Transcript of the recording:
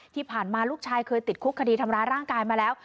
ที่ผ่านมาลูกชายเคยติดคุกคดีทำร้ายร่างกายมาแล้ว